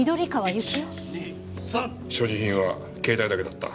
所持品は携帯だけだった。